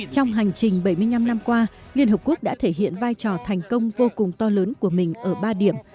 trong hành trình bảy mươi năm năm qua liên hợp quốc đã thể hiện vai trò thành công vô cùng to lớn của mình ở ba điểm